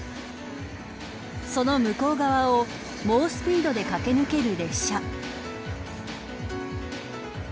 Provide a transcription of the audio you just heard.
その向こう側を猛スピードで駆け抜ける列車。